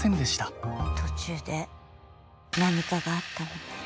途中で何かがあったんだね。